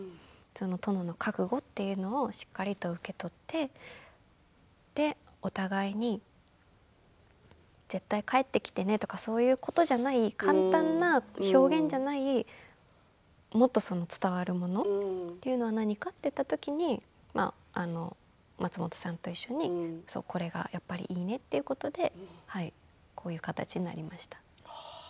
殿の覚悟というのをしっかりと受け取ってお互いに絶対に帰ってきてねっていうことじゃない簡単な表現じゃないもっと伝わるものっていうのが何かといった時に松本さんと一緒にこれがいいねということでこういう形になりました。